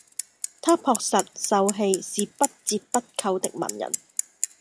他樸實、秀氣，是不折不扣的文人